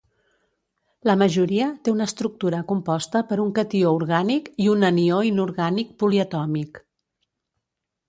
La majoria té una estructura composta per un catió orgànic i un anió inorgànic poliatòmic.